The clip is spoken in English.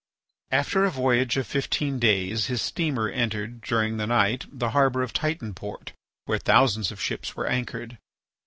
After a voyage of fifteen days his steamer entered, during the night, the harbour of Titanport, where thousands of ships were anchored.